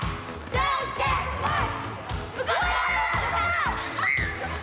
じゃんけんぽん！